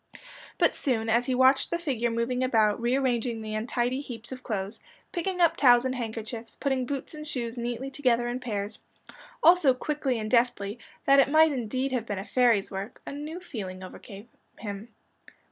But soon, as he watched the figure moving about, rearranging the untidy heaps of clothes, picking up towels and handkerchiefs, putting boots and shoes neatly together in pairs all so quickly and deftly, that it might indeed have been a fairy's work, a new feeling overcame him.